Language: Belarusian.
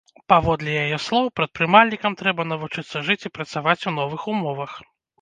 Паводле яе слоў, прадпрымальнікам трэба навучыцца жыць і працаваць у новых умовах.